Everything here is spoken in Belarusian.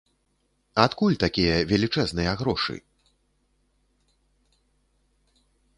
Адкуль такія велічэзныя грошы?